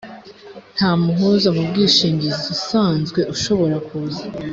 nta muhuza mu bwishingizi usanzwe ushobora kuza